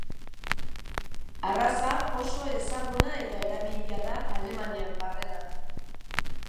Arraza oso ezaguna eta erabilia da Alemanian barrena.